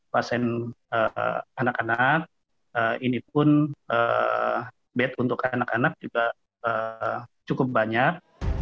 pasien anak anak ini pun bed untuk anak anak juga cukup banyak